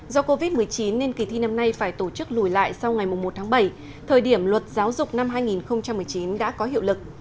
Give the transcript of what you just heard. do covid một mươi chín nên kỳ thi năm nay phải tổ chức lùi lại sau ngày một tháng bảy thời điểm luật giáo dục năm hai nghìn một mươi chín đã có hiệu lực